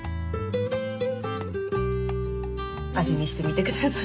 味見してみてください。